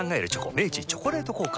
明治「チョコレート効果」